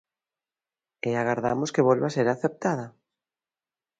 E agardamos que volva ser aceptada.